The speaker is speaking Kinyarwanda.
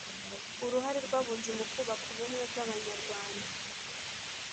« uruhare rw’abunzi mu kubaka ubumwe bw’abanyarwanda »?